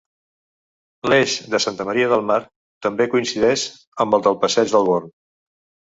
L'eix de Santa Maria del Mar també coincideix amb el del passeig del Born.